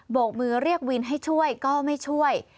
กมือเรียกวินให้ช่วยก็ไม่ช่วย